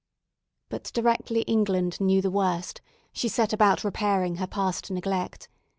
But directly England knew the worst, she set about repairing her past neglect.